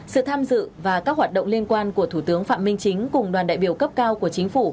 sự tham dự và các hoạt động liên quan của thủ tướng phạm minh chính cùng đoàn đại biểu cấp cao của chính phủ